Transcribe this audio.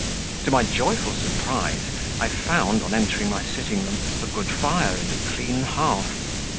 To my joyful surprise, I found, on entering my sitting room, a good fire and a clean hearth.